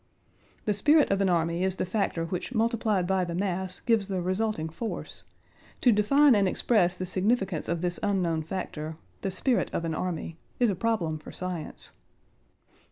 The spirit of an army is the factor which multiplied by the mass gives the resulting force. To define and express the significance of this unknown factor—the spirit of an army—is a problem for science.